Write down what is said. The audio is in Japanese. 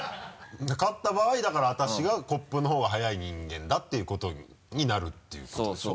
勝った場合だから私がコップのほうが早い人間だっていうことになるっていうことでしょ？